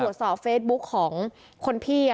ก็กลายเป็นว่าติดต่อพี่น้องคู่นี้ไม่ได้เลยค่ะ